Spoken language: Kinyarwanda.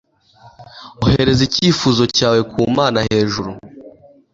ohereza icyifuzo cyawe ku mana hejuru